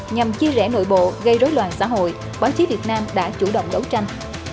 nhằm chia rẽ nội bộ gây rối loạn xã hội báo chí việt nam đã chủ động đấu tranh